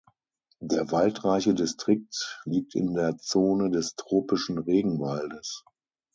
Der waldreiche Distrikt liegt in der Zone des tropischen Regenwaldes.